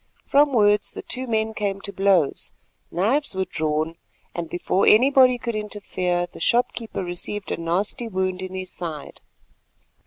From words the two men came to blows, knives were drawn, and before anybody could interfere the storekeeper received a nasty wound in his side.